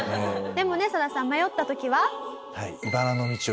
でもねサダさん迷った時は？